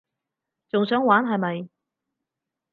仲想玩係咪？